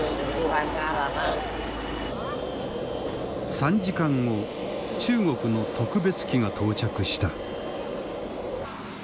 ３時間後中国の特別機が到着した。